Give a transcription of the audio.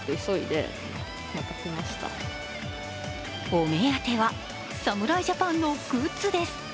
お目当ては、侍ジャパンのグッズです。